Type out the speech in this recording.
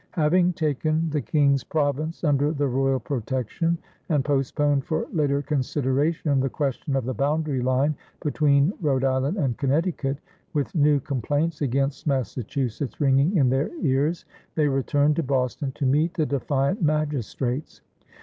Having taken the King's Province under the royal protection, and postponed for later consideration the question of the boundary line between Rhode Island and Connecticut, with new complaints against Massachusetts ringing in their ears, they returned to Boston to meet the defiant magistrates.